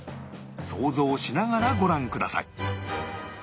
想像しながらご覧ください